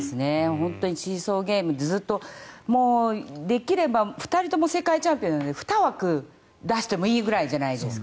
本当にシーソーゲームずっとできれば２人とも世界チャンピオンなので２枠出してもいいぐらいじゃないですか。